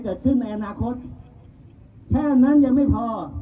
เกิดขึ้นในอนาคตแค่นั้นยังไม่พอ